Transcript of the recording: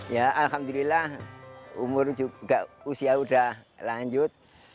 ya alhamdulillah umur juga usia sudah lanjut